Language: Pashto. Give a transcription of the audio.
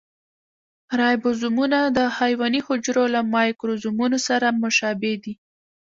رایبوزومونه د حیواني حجرو له مایکروزومونو سره مشابه دي.